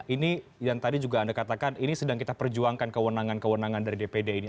ini yang tadi juga anda katakan ini sedang kita perjuangkan kewenangan kewenangan dari dpd ini